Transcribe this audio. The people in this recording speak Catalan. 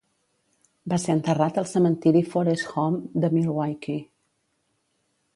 Va ser enterrat al cementiri Forest Home de Milwaukee.